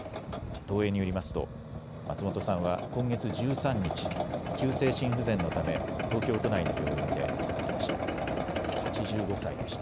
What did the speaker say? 東映によりますと松本さんは今月１３日、急性心不全のため東京都内の病院で亡くなりました。